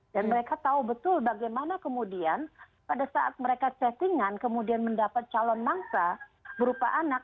dan mereka tahu betul bagaimana kemudian pada saat mereka settingan kemudian mendapat calon mangsa berupa anak